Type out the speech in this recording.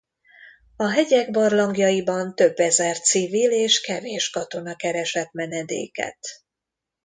A hegyek barlangjaiban több ezer civil és kevés katona keresett menedéket.